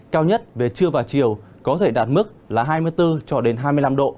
cao nhất về trưa và chiều có thể đạt mức là hai mươi bốn cho đến hai mươi năm độ